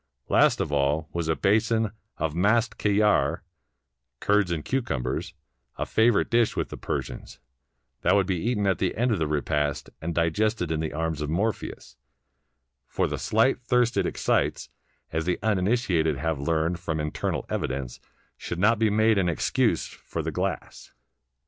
Last of all, was a basin of mast khiyare, curds and cucumbers, a favorite dish with the Persians, that should be eaten at the end of the repast, and digested in the arms of Morpheus; for the sHght thirst it excites, as the uninitiated have learned from internal evidence, should not be made an excuse for the glass.